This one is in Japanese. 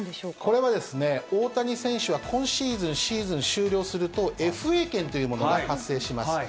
これはですね、大谷選手は今シーズン、シーズン終了すると、ＦＡ権というものが発生します。